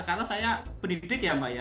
karena saya pendidik ya mbak ya